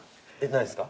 何ですか？